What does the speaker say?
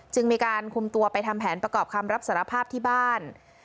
จึงมีการคุมตัวไปทำแผนประกอบคำรับสารภาพที่บ้าน